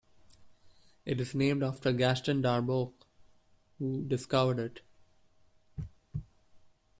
It is named after Gaston Darboux who discovered it.